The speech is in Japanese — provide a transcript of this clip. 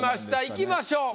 いきましょう。